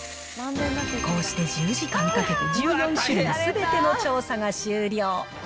こうして１０時間かけて１４種類すべての調査が終了。